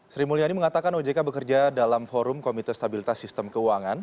sri mulyani mengatakan ojk bekerja dalam forum komite stabilitas sistem keuangan